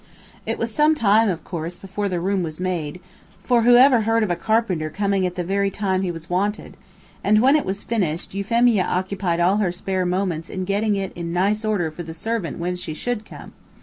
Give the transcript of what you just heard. It was some time, of course, before the room was made (for who ever heard of a carpenter coming at the very time he was wanted?) and, when it was finished, Euphemia occupied all her spare moments in getting it in nice order for the servant when she should come.